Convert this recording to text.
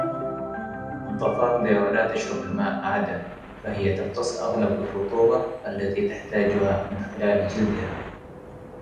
الضفادع لا تشرب الماء عادة، فهي تمتص أغلب الرطوبة التي تحتاجها من خلال جلدها.